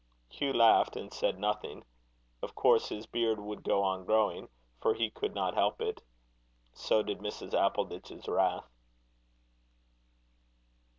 Hugh laughed, and said nothing. Of course his beard would go on growing, for he could not help it. So did Mrs. Appleditch's wrath.